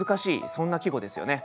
そんな季語ですよね。